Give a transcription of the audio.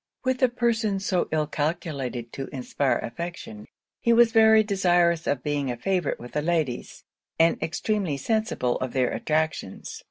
With a person so ill calculated to inspire affection, he was very desirous of being a favourite with the ladies; and extremely sensible of their attractions.